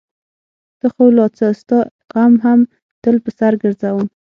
ته خو لا څه؛ ستا غم هم تل په سر ګرځوم.